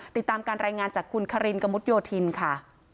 ติดตามการรายงานจากคุณคารินกมุทยศิลป์ค่ะ